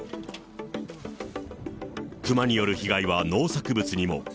クマによる被害は農作物にも。